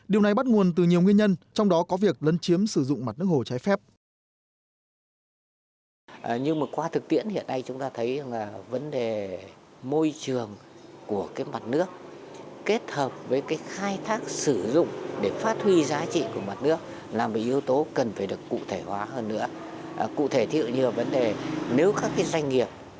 điều này bắt nguồn từ nhiều nguyên nhân trong đó có việc lân chiếm sử dụng mặt nước hồ trái phép